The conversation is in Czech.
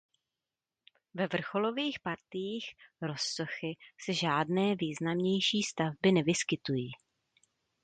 Ve vrcholových partiích rozsochy se žádné významnější stavby nevyskytují.